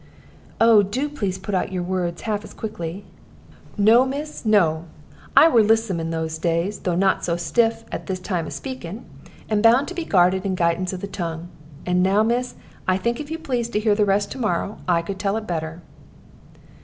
"Oh, do please to put out your words half as quickly." "No, miss, no. I were lissome in those days, though not so very stiff at this time of speaking, and bound to be guarded in the guidance of the tongue. And now, miss, I think if you please to hear the rest to morrow, I could tell it better."